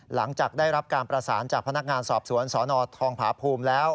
หลังจากได้รับการประสานจากพนักงานสอบสวนสนทองผาภูมิแล้ว